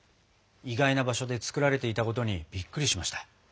意外な場所で作られていたことにびっくりしました。